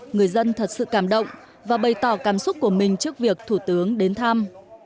người dân thật sự cảm động và bày tỏ cảm xúc của mình trước việc thủ tướng đến thăm